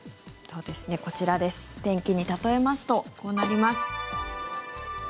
こちら天気に例えますとこうなります。